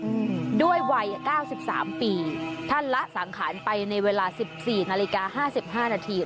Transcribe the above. อืมด้วยวัยเก้าสิบสามปีท่านละสังขารไปในเวลาสิบสี่นาฬิกาห้าสิบห้านาที